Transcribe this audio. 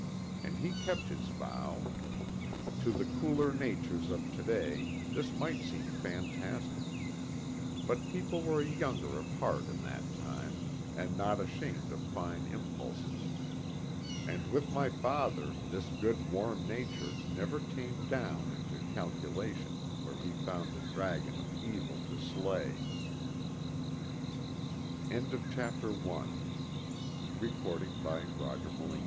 And he kept his vow. To the cooler natures of to day this might seem fantastic ; but people were younger of heart in that time and not ashamed of fine impulses. And with my father this good warm nature never tamed down into calculation where he found the dragon of evil to sl